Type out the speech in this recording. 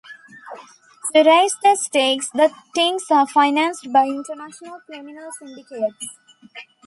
To raise the stakes, the Tings are financed by international criminal syndicates.